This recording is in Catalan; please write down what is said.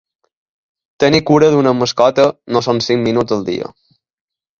Tenir cura d'una mascota no són cinc minuts al dia.